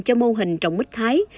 cho mô hình trồng mít thái